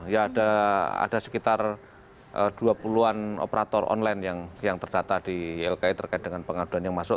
ya ada sekitar dua puluh an operator online yang terdata di ylki terkait dengan pengaduan yang masuk